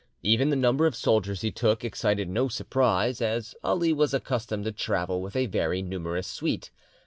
Even the number of soldiers he took excited no surprise, as Ali was accustomed to travel with a very numerous suite.